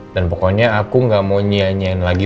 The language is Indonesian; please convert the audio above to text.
dan pokoknya aku gak mau nyian nyian lagi